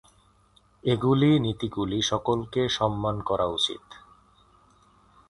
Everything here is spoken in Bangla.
এগুলি নীতিগুলি সকলকে সম্মান করা উচিত।